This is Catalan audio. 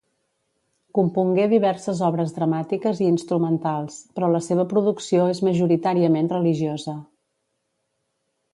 Compongué diverses obres dramàtiques i instrumentals, però la seva producció és majoritàriament religiosa.